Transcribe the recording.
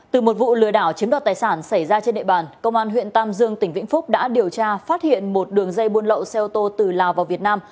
từ một vụ lừa đảo chiếm đoạt tài sản xảy ra trên địa bàn công an huyện tam dương tỉnh vĩnh phúc đã điều tra phát hiện một đường dây buôn lậu xe ô tô từ lào vào việt nam